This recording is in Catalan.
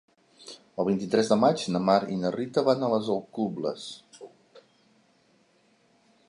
El vint-i-tres de maig na Mar i na Rita van a les Alcubles.